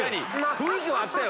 雰囲気はあったよ